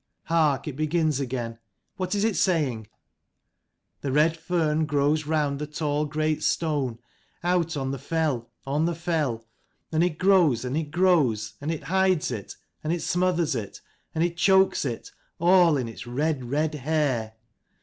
Hark, it begins again. What is it saying ? The red fern grows round the tall great stone, out on the fell: on the fell. And it grows and it grows, and it hides it, and it smothers it, and it chokes it, all in its red red hair!